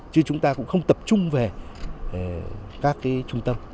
chứ chúng ta cũng không tập trung về các trung tâm